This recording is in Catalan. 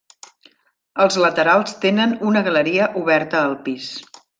Els laterals tenen una galeria oberta al pis.